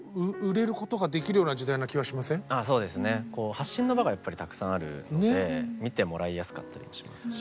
発信の場がやっぱりたくさんあるので見てもらいやすかったりしますし。